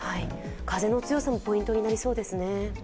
風の強さもポイントになりそうですね。